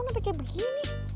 sampai kayak begini